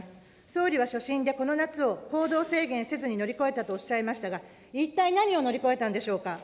総理は所信でこの夏を行動制限せずに乗り越えたとおっしゃいましたが、一体何を乗り越えたんでしょうか。